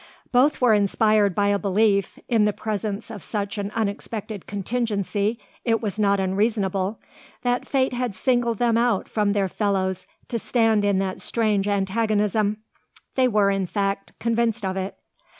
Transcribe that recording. Both were inspired by a belief in the presence of such an unexpected contingency it was not unreasonable that Fate had singled them out from their fellows to stand in that strange antagonism. They were, in fact, convinced of it.